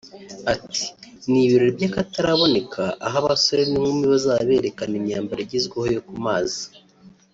Ati “Ni ibirori by’akataraboneka aho abasore n’inkumi bazaba berekana imyambaro igezweho yo ku mazi